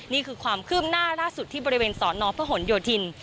นี่คือความคืบหน้าล่าสุดที่บริเวณสอนอพหนโยธิน